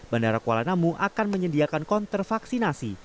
bandara kuala namu akan menyediakan konter vaksinasi